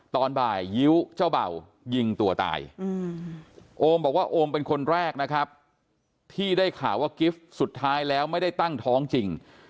ตอนบ่ายยิ้วเจ้าเบ่ายิงตัวตายโอมบอกว่าโอมเป็นคนแรกนะครับที่ได้ข่าวว่ากิฟต์สุดท้ายแล้วไม่ได้ตั้งท้องจริง